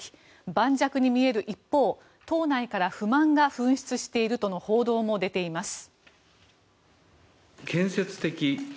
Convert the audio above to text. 盤石に見える一方党内から不満が噴出しているとの報道も出ています。